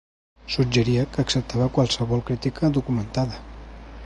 Suggeria que acceptava qualsevol crítica documentada.